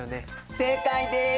正解です！